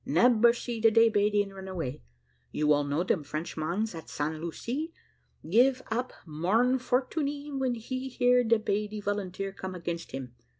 Nebber see the day 'Badian run away; you all know dem French mans at San Lucee, give up Morne Fortunee, when he hear de 'Badi volunteer come against him.